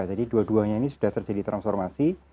jadi dua duanya ini sudah terjadi transformasi